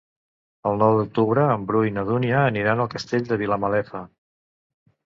El nou d'octubre en Bru i na Dúnia aniran al Castell de Vilamalefa.